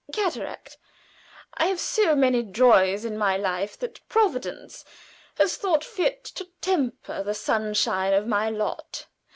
"Cataract. I have so many joys in my life that Providence has thought fit to temper the sunshine of my lot.